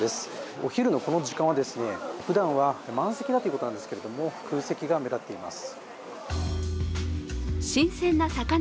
お昼のこの時間はふだんは満席だということなんですが、空席が目立っています。